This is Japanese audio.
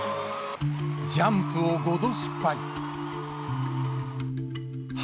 ジャンプを５度失敗。